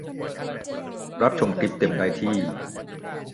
รับชมคลิปเต็มได้ที่